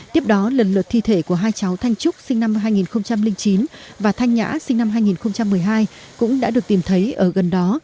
tiếp đó lần lượt thi thể của hai cháu thanh trúc sinh năm hai nghìn chín và thanh nhã sinh năm hai nghìn một mươi hai cũng đã được tìm thấy ở gần đó